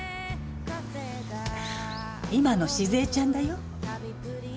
今の静江ちゃんだよ。